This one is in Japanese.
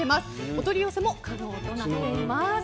お取り寄せも可能となっています。